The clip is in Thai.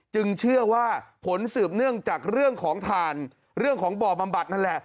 เชื่อว่าผลสืบเนื่องจากเรื่องของถ่านเรื่องของบ่อบำบัดนั่นแหละ